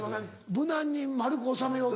無難に丸く収めようと。